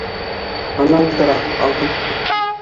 Ана ултыра, алһын.